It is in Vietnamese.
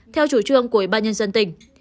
theo chủ trương của bà nhân dân tỉnh